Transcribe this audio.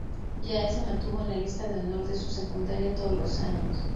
Yael se mantuvo en la lista de honor de su secundaria todos los años.